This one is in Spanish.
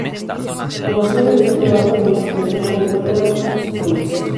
Conoció y realizó trabajos de investigación con Wolfram Schultz.